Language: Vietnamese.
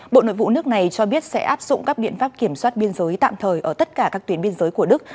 bộ nội vụ nước này cho biết sẽ áp dụng các biện pháp kiểm soát biên giới tạm thời ở tất cả các tuyến biên giới của đức